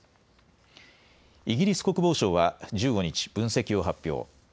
イギリス国防省は１５日、分析を発表。